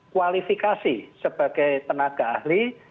kualifikasi sebagai tenaga ahli